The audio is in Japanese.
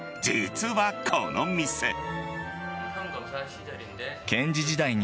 実はこの店。